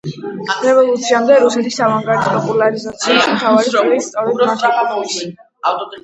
რევოლუციამდელი რუსეთის ავანგარდის პოპულარიზაციაში მთავარი წვლილი სწორედ მათ ეკუთვნის.